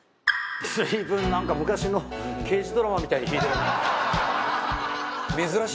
随分昔の刑事ドラマみたいに引いてるな。